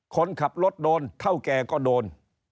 คนขับรถโดนเท่าแก่ก็โดน